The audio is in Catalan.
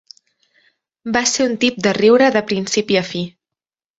Va ser un tip de riure de principi a fi.